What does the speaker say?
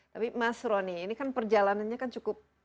tapi mas rony ini kan perjalanannya kan cukup